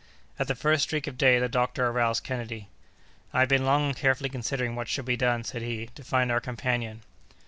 "At the first streak of day, the doctor aroused Kennedy. "I have been long and carefully considering what should be done," said he, "to find our companion."